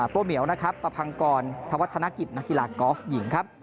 โป้เมียวประพังกรธนาคิตนักกีฬากอล์ฟหญิง